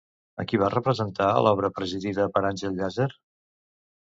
A qui va representar a l'obra presidida per Àngel Llàcer?